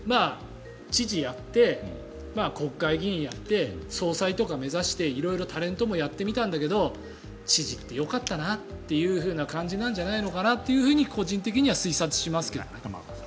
だけど、知事をやって国会議員をやって総裁とか目指して色々タレントもやってみたんだけど知事ってよかったなというふうな感じなんじゃないのかなと個人的には推察しますけどね。